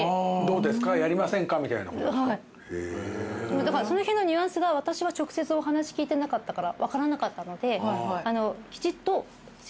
はいだからその辺のニュアンスが私は直接お話聞いてなかったから分からなかったのできちっと。